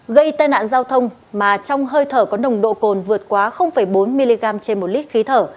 gây tai nạn giao thông mà trong hơi thở có nồng độ cồn vượt quá bốn mg trên một lít khí thở